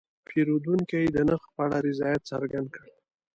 پیرودونکی د نرخ په اړه رضایت څرګند کړ.